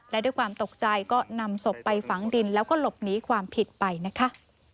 และด้วยความตกใจก็นำศพไปฝังดินแล้วก็หลบหนีความผิดไปนะคะ